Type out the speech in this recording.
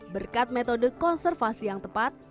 berkat metode konservasi yang tepat